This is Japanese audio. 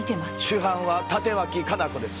主犯は立脇香菜子です